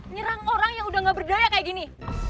nyerang orang yang udah gak berdaya kayak gini